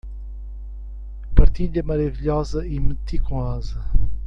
Partilha maravilhosa e meticulosa